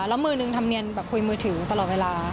แล้วมือนึงทำเนียนแบบคุยมือถือตลอดเวลา